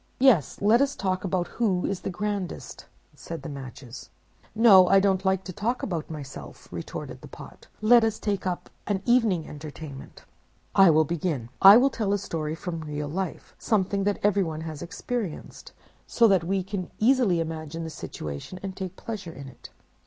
"'Yes, let us talk about who is the grandest,' said the Matches. "'No, I don't like to talk about myself,' retorted the Pot. 'Let us get up an evening entertainment. I will begin. I will tell a story from real life, something that everyone has experienced, so that we can easily imagine the situation, and take pleasure in it.